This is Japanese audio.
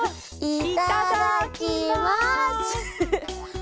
いただきます。